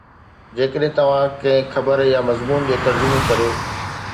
جيڪڏھن توھان ڪنھن خبر يا مضمون جو ترجمو ڪريو